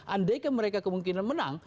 andaikan mereka kemungkinan menang